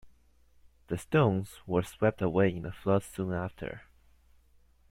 The stones were swept away in a flood soon after.